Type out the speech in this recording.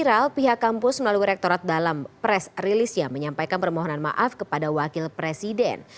viral pihak kampus melalui rektorat dalam pres rilisnya menyampaikan permohonan maaf kepada wakil presiden